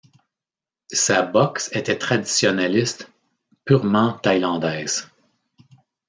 Sa boxe était traditionaliste purement thaïlandaise.